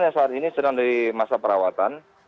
yang saat ini sedang dari masa perawatan